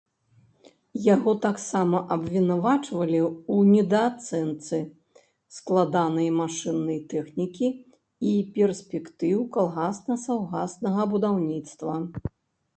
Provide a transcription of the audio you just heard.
Яго таксама абвінавачвалі ў недаацэнцы складанай машыннай тэхнікі і перспектыў калгасна-саўгаснага будаўніцтва.